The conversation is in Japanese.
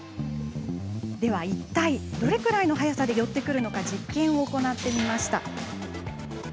いったい、どれくらいの速さで寄ってくるのか実験をおこなってみました。